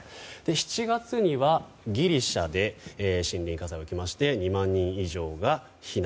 ７月には、ギリシャで森林火災が起きまして２万人以上が避難。